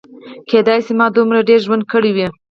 کیدای شي ما دومره ډېر ژوند کړی وي.